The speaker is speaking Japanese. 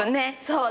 そう。